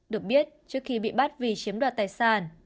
được biết trước khi bị bắt vì chiếm đoạt tài sản